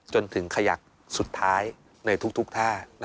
จนถึงขยักสุดท้ายในทุกท่า